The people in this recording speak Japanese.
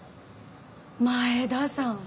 「前田さん」